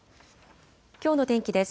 きょうの天気です。